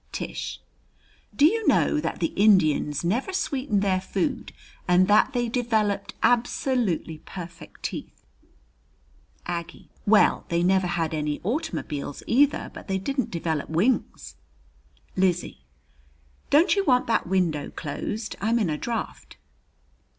Tish: Do you know that the Indians never sweetened their food and that they developed absolutely perfect teeth? Aggie: Well, they never had any automobiles either, but they didn't develop wings. Lizzie: Don't you want that window closed? I'm in a draft.